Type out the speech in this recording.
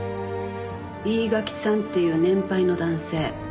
飯垣さんっていう年配の男性。